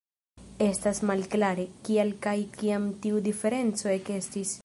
Estas malklare, kial kaj kiam tiu diferenco ekestis.